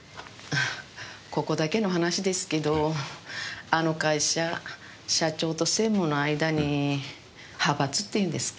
ここだけの話ですけどあの会社社長と専務の間に派閥っていうんですか？